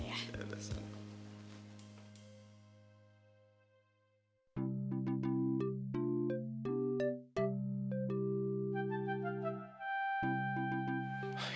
ya udah selamat